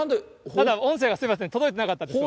音声が、すみません、届いてなかったですか。